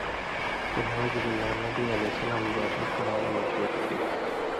چے نعوذ باللہ نبی علیہ السلام جادوکران٘لہ مشہور کرِگ۔